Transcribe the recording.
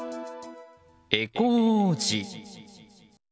エコ王子。